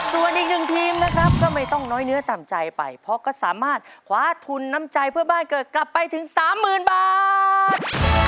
ส่วนอีกหนึ่งทีมนะครับก็ไม่ต้องน้อยเนื้อต่ำใจไปเพราะก็สามารถคว้าทุนน้ำใจเพื่อบ้านเกิดกลับไปถึงสามหมื่นบาท